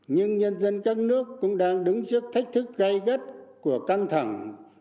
nhưng nhân dân các nước cũng đang đứng trước thách thức gây gắt của căng thẳng